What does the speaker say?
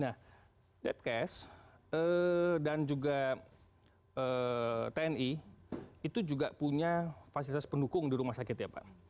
nah debkes dan juga tni itu juga punya fasilitas pendukung di rumah sakit ya pak